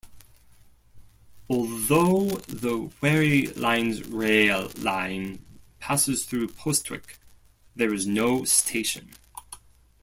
Although the Wherry Lines rail line passes through Postwick, there is no station.